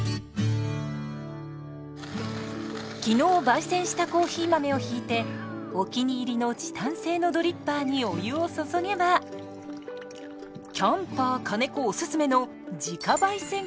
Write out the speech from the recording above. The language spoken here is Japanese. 昨日焙煎したコーヒー豆をひいてお気に入りのチタン製のドリッパーにお湯を注げばキャンパー金子おススメのお味はいかが？